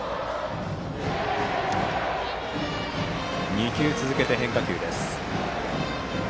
２球続けて変化球です。